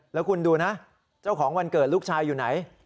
แล้วคุณดูนะเจ้าของวันเกิดลูกชายอยู่ไหน